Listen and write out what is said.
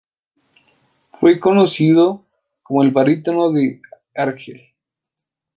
Fue conocido como el "Barítono de Argel".